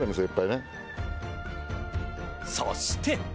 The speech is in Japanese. そして。